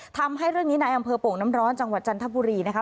ทำให้เรื่องนี้ในอำเภอโป่งน้ำร้อนจังหวัดจันทบุรีนะคะ